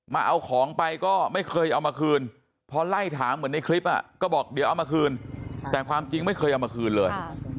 มาเอาของไปก็ไม่เคยเอามาคืนพอไล่ถามเหมือนในคลิปก็บอกเดี๋ยวเอามาคืนแต่ความจริงไม่เคยเอามาคืนเลย